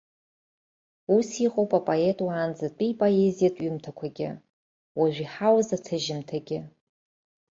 Ус иҟоуп апоет уаанӡатәи ипоезиатә ҩымҭақәагьы уажәы иҳауз аҭыжьымҭагьы.